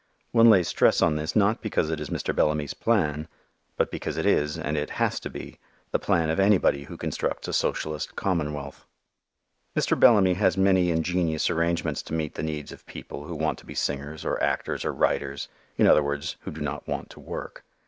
One lays stress on this not because it is Mr. Bellamy's plan, but because it is, and it has to be, the plan of anybody who constructs a socialist commonwealth. Mr. Bellamy has many ingenious arrangements to meet the needs of people who want to be singers or actors or writers, in other words, who do not want to work.